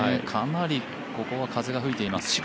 かなり風が吹いています。